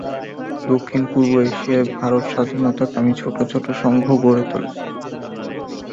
দক্ষিণ-পূর্ব এশিয়ায় ভারত স্বাধীনতাকামী ছোট ছোট সংঘ গড়ে ওঠে।